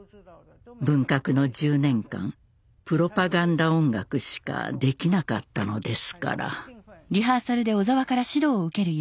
文革の１０年間プロパガンダ音楽しかできなかったのですから。